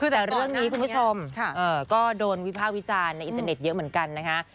แต่เรื่องนี้คุณผู้ชมก็โดนวิภาควิจารณ์ในอินเทอร์เน็ตเยอะเหมือนกันนะคะ